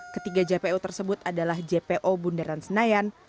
ketiga jpo tersebut adalah jpo bundaran senayan